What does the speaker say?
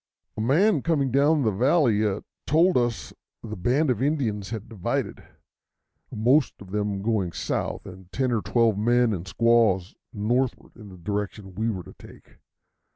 A man coming down the valley told us that the band of Indians had divided, most of them going south, and ten or twelve men and squaws northward, in the direction we were to take.